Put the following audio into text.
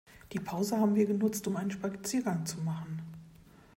Die Pause haben wir genutzt, um einen Spaziergang zu machen.